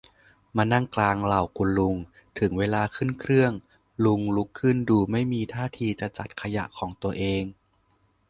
มานั่งกลางเหล่าคุณลุง ถึงเวลาขึ้นเครื่อง ลุงลุกขึ้นดูไม่มีทีท่าจะจัดขยะของตัวเอง